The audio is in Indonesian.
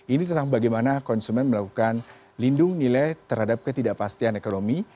ini tentang bagaimana konsumen melakukan lindung nilai terhadap ketidakpastian ekonomi